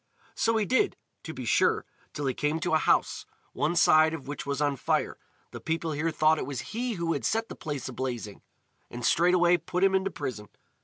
So he did, to be sure, till he came to a house, one side of which was on fire. The people here thought it was he who had set the place a blazing, and straightway put him in prison.